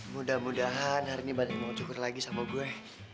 mudah mudahan hari ini balik mau cukur lagi sama gue